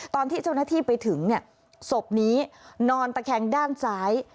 ตอนที่เจ้าหน้าที่ไปถึงศพนี้นอนตะแคงด้านซ้าย